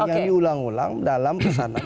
yang diulang ulang dalam pesanan